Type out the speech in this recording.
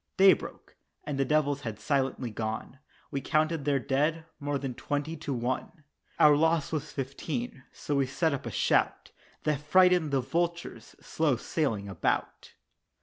Day broke, and the devils had silently gone, We counted their dead, more than twenty to one! Our loss was Fifteen so we set up a shout That frightened the vultures slow sailing about.